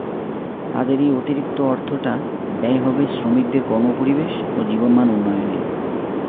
তাদের এই অতিরিক্ত অর্থটা ব্যয় হবে শ্রমিকদের কর্মপরিবেশ এবং জীবনমান উন্নয়নে।